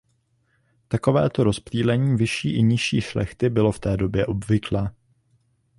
Takovéto rozptýlení vyšší i nižší šlechty bylo v této době obvyklé.